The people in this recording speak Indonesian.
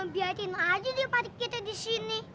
biarin aja dia parkir kita di sini